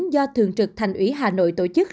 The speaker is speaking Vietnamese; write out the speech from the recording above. do thường trực thành ủy hà nội tổ chức